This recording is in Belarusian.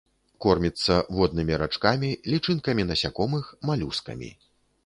Корміцца воднымі рачкамі, лічынкамі насякомых, малюскамі.